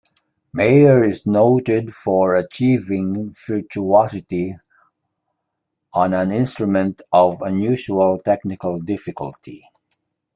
Meyer is noted for achieving virtuosity on an instrument of unusual technical difficulty.